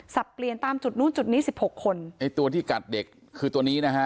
สับเปลี่ยนตามจุดนู้นจุดนี้สิบหกคนไอ้ตัวที่กัดเด็กคือตัวนี้นะฮะ